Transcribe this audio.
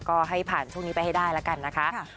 ก็ให้ผ่านช่วงนี้ไปให้ได้แล้วกันนะคะ